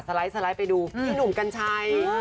ไลด์ไปดูพี่หนุ่มกัญชัย